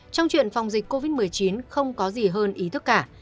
trong chuyện phòng dịch covid một mươi chín không có gì hơn ý thức cả